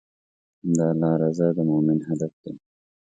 د الله رضا د مؤمن هدف دی.